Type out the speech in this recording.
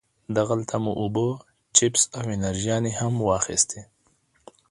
دغلته مو اوبه، چپس او انرژيانې هم واخيستې.